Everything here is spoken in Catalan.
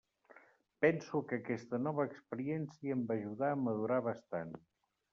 Penso que aquesta nova experiència em va ajudar a madurar bastant.